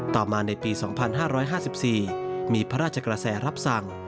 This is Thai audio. ต่อมาในปี๒๕๕๔มีพระราชกระแสรับสั่ง